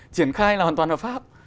triển khai là hoàn toàn hợp pháp